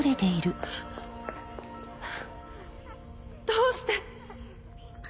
どうして！